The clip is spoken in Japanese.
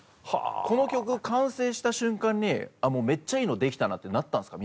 この曲完成した瞬間にめっちゃいいのできたなってなったんですか？